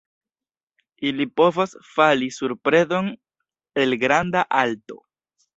Ili povas "fali" sur predon el granda alto.